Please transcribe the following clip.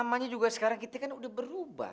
namanya juga sekarang kita kan udah berubah